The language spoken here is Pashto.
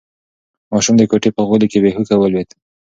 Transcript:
ماشوم د کوټې په غولي کې بې هوښه ولوېد.